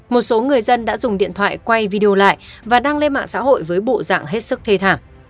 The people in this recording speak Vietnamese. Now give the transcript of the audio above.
một số người dân đã dùng điện thoại quay video lại và đăng lên mạng xã hội với bộ dạng hết sức thê thảm